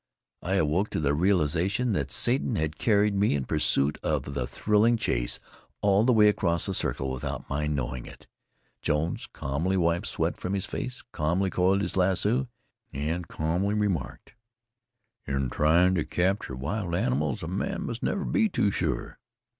I awoke to the realization that Satan had carried me, in pursuit of the thrilling chase, all the way across the circle without my knowing it. Jones calmly wiped the sweat from his face, calmly coiled his lasso, and calmly remarked: "In trying to capture wild animals a man must never be too sure.